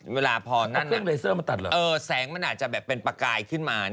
เวลาพอนั่นแสงมันอาจจะแบบเป็นปากกายขึ้นมา